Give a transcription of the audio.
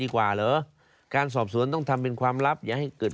แต่ว่าทางอุทยานส่งมายังไม่ครบ